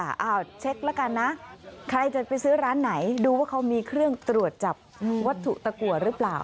เช็คแล้วกันนะใครจะไปซื้อร้านไหนดูว่าเขามีเครื่องตรวจจับวัตถุตะกัวหรือเปล่า